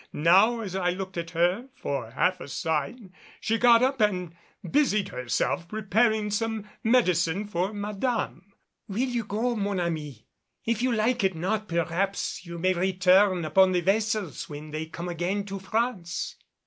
Now as I looked at her for half a sign she got up and busied herself preparing some medicine for Madame. "Will you go, mon ami? If you like it not perhaps you may return upon the vessels when they come again to France."